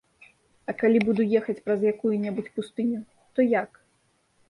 А калі буду ехаць праз якую-небудзь пустыню, то як?